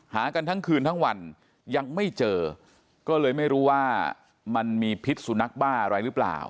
หากันทั้งคืนทั้งวันยังไม่เจอก็เลยไม่รู้ว่ามันมีพิษสุนัขบ้าอะไรหรือเปล่า